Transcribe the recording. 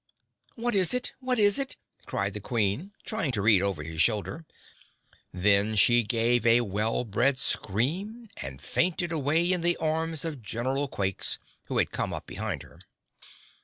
"What is it? What is it?" cried the Queen, trying to read over his shoulder. Then she gave a well bred scream and fainted away in the arms of General Quakes, who had come up behind her.